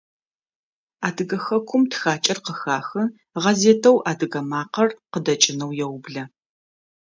Адыгэ хэкум тхакӏэр къыхахы, гъэзетэу «Адыгэ макъэр» къыдэкӏынэу еублэ.